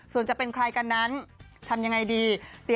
ส่วนจะเป็นใครกันนั้นทำยังไงดี